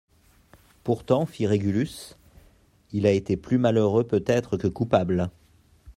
Pourtant, fit Régulus, il a été plus malheureux peut-être que coupable.